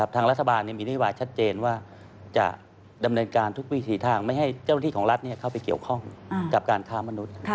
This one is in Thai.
ทางรัฐบาลมีนโยบายชัดเจนว่าจะดำเนินการทุกวิถีทางไม่ให้เจ้าหน้าที่ของรัฐเข้าไปเกี่ยวข้องกับการค้ามนุษย์